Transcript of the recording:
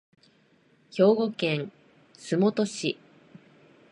兵庫県洲本市